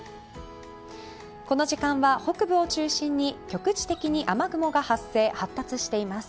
この時間は、北部を中心に局地的に雨雲が発生発達しています。